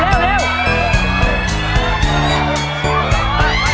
เท่าแรก